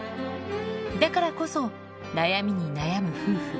だからこそ、悩みに悩む夫婦。